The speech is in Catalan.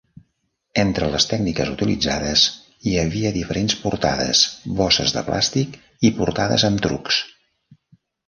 Entre les tècniques utilitzades hi havia diferents portades, bosses de plàstic i portades amb trucs.